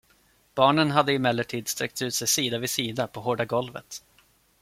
Barnen hade emellertid sträckt ut sig sida vid sida på hårda golvet.